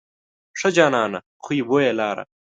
ښه جانانه خوی بوی یې لاره.